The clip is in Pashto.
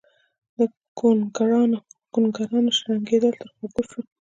د ګونګرونګانو شړنګېدل يې تر غوږ شول